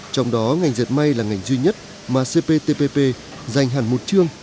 trong đó ngành diệt may là ngành duy nhất mà cptpp dành hẳn một chương